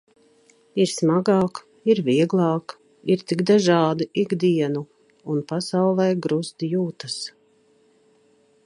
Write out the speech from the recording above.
Ir smagāk, ir vieglāk, ir tik dažādi ik dienu un pasaulē gruzd jūtas.